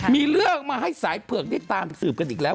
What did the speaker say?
มีเรื่องมาให้สายเผือกได้ตามสืบกันอีกแล้ว